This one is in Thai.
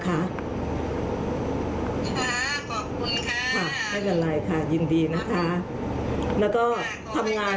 ครับไม่เป็นไรค่ะยินดีนะคะแล้วก็ทำงาน